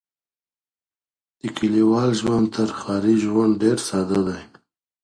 د کليوالو ژوند تر ښاري ژوند ډېر ساده دی.